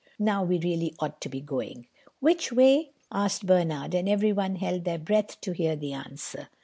Now, we really ought to be going." "Which way?" asked Bernard, and everyone held their breath to hear the answer.